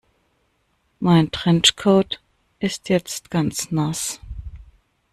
Mein Trenchcoat ist jetzt ganz nass.